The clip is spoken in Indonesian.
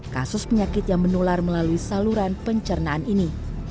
kasus penyakit yang menular melalui saluran pencernaan ini